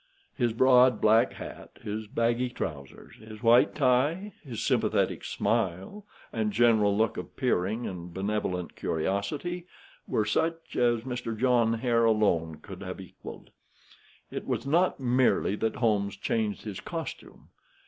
His broad, black hat, his baggy trousers, his white tie, his sympathetic smile, and general look of peering and benevolent curiosity were such as Mr. John Hare alone could have equaled. It was not merely that Holmes changed his costume.